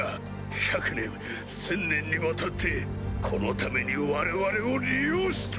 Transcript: １００年１０００年にわたってこのために我々を利用したのか！